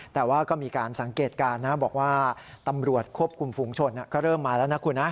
แต่ว่าก็มีการสังเกตการณ์นะบอกว่าตำรวจควบคุมฝุงชนก็เริ่มมาแล้วนะคุณนะ